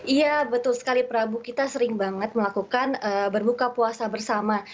iya betul sekali prabu kita sering banget melakukan berbuka puasa bersama